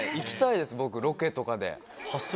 僕ロケとかで。